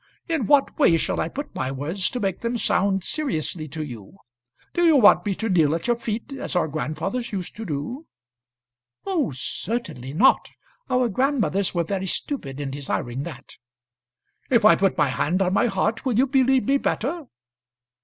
In what way shall I put my words to make them sound seriously to you? Do you want me to kneel at your feet, as our grandfathers used to do?" "Oh, certainly not. Our grandmothers were very stupid in desiring that." "If I put my hand on my heart will you believe me better?"